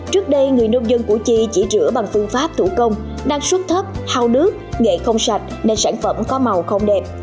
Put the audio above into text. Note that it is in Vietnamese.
trước đây người nông dân củ chi chỉ rửa bằng phương pháp thủ công năng suất thấp hao nước nghệ không sạch nên sản phẩm có màu không đẹp